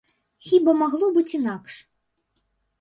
Хіба магло быць інакш?